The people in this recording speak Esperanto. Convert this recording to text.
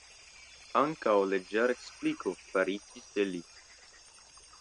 Ankaŭ leĝarekspliko faritis de li.